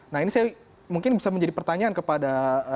nah ini saya mungkin bisa menjadi pertanyaan kepada